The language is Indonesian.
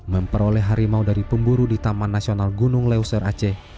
memperoleh harimau dari pemburu di taman nasional gunung leuser aceh